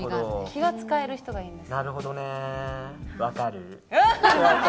気が使える人がいいです。